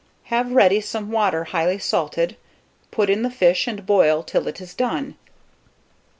Have ready some water highly salted, put in the fish, and boil till it is done.